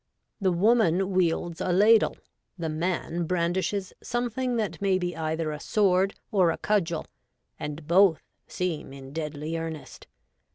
The woman wields a ladle ; the man brandishes something that may be either a sword or a cudgel, and both seem in deadly earnest.